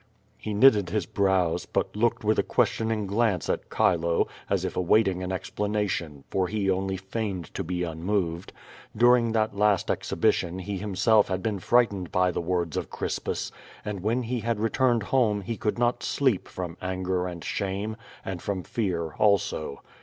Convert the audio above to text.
He knitted his brows, but looked with a questioning glance at Chilo, as if awaiting an explanation, for he only feigned to be unmoved. During that last exhibition he himself had been frightened by the words of Crispus, and when he had returned home he could not sleep from anger and shame, and from fear also.